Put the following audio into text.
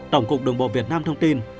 tổng cục đường bộ việt nam thông tin